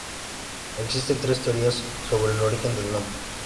Existen tres teorías sobre el origen del nombre.